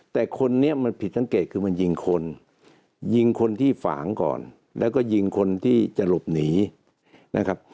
แต่คนนี้มันผิดสังเกตคือมันยิงคนยิงคนที่ฝางก่อนแล้วก็ยิงคนที่จะหลบหนีนะครับ